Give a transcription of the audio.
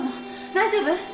大丈夫？